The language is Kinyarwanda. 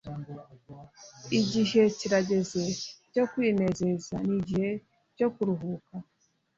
igihe kirageze cyo kwinezeza nigihe cyo kuruhuka